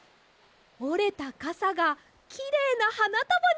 おれたカサがきれいなはなたばになりました！